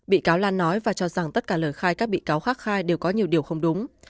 bị cáo lan nói và cho rằng tất cả lời khai các bị cáo khác khai đều có nhiều điều không đúng